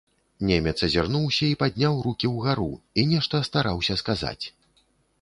Немец азірнуўся і падняў рукі ўгару і нешта стараўся сказаць.